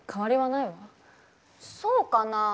そうかな。